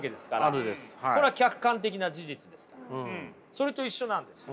それと一緒なんですよ。